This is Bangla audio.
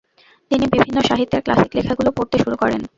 তিনি বিভিন্ন সাহিত্যের ক্লাসিক লেখাগুলো পড়তে শুরু করেন।